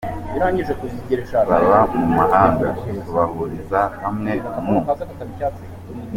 baba mu mahanga, tubahuriza hamwe mu